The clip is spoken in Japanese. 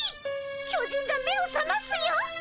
巨人が目をさますよ。